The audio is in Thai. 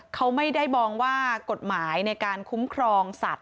เขาไม่ได้มองว่ากฎหมายในการคุ้มครองสัตว